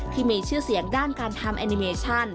ที่มีชื่อเสียงด้านการทำแอนิเมชั่น